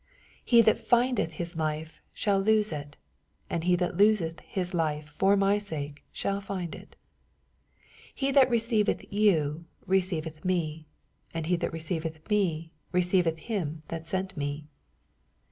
89 He that findeth his life shaU lose it : and he that loseth his life for my sake shall And it. 40 He that receiveth you reoeivetb me, and he that receiveth me receiveth him that sent me.